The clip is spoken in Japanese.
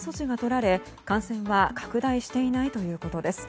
すぐ隔離措置が取られ感染は拡大していないということです。